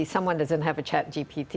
seseorang tidak memiliki chat gpt